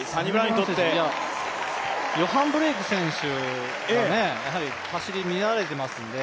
ヨハン・ブレイク選手が走り乱れてますんで。